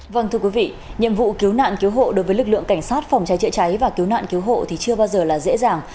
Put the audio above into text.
vâng thưa quý vị nhiệm vụ cứu nạn cứu hộ đối với lực lượng cảnh sát phòng cháy chữa cháy và cứu nạn cứu hộ thì chưa bao giờ là dễ dàng